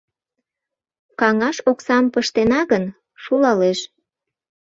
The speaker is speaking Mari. Каҥаж оксам пыштена гын, шулалеш.